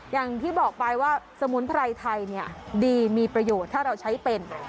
อย่างที่บอกไปว่าสมุนไพรไทยดีมีประโยชน์ถ้าเราใช้เป็น